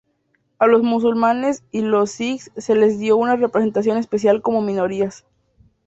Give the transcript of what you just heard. A los musulmanes y los sijs se les dio una representación especial como "minorías".